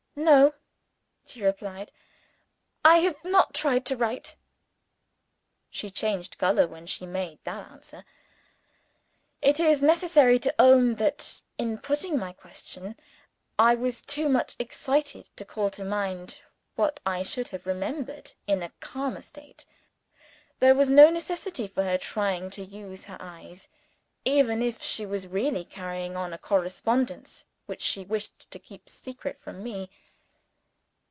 "No," she replied. "I have not tried to write." She changed color when she made that answer. It is necessary to own that, in putting my question, I was too much excited to call to mind, what I should have remembered in a calmer state. There was no necessity for her trying to use her eyes even if she was really carrying on a correspondence which she wished to keep secret from me.